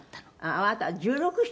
「あなた１６１７